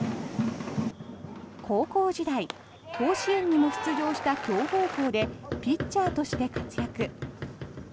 高校時代甲子園にも出場した強豪校でピッチャーとして活躍。